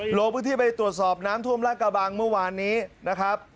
ลงพื้นที่ไปตรวจสอบน้ำท่วมราชกระบังเมื่อวานนี้นะครับ